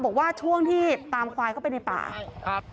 บอกว่าช่วงที่ตามควายเข้าไปในป่าครับ